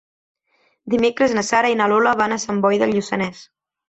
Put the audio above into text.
Dimecres na Sara i na Lola van a Sant Boi de Lluçanès.